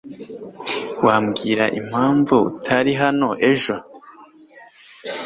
Wambwira impamvu utari hano ejo?